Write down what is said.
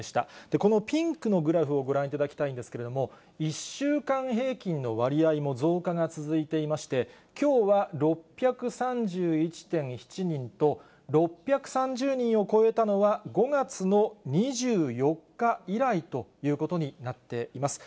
このピンクのグラフをご覧いただきたいんですけれども、１週間平均の割合も増加が続いていまして、きょうは６３１．７人と、６３０人を超えたのは５月の２４日以来ということになっています。